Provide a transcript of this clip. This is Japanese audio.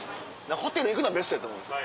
ホテル行くのはベストやと思うんです。